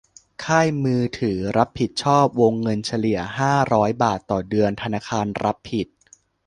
ค่ายมือถือรับผิดชอบวงเงินเฉลี่ยห้าร้อยบาทต่อเดือน ธนาคารรับผิด